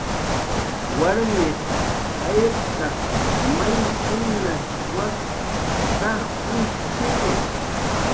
Warmiq jayrtak my simnach wak' saj wijchiwi.